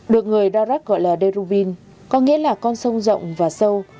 được người darak gọi là derubin có nghĩa là con sông rộng và sâu